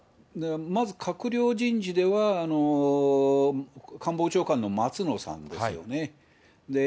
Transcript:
まず閣僚人事では、官房長官の松野さんですよね。